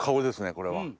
これは。